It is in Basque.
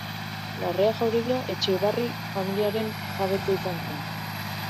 Larrea jauregia Etxabarri familiaren jabetza izan zen.